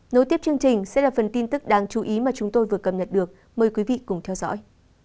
nối tiếp chương trình sẽ là phần tin tức đáng chú ý mà chúng tôi vừa cập nhật được mời quý vị cùng theo dõi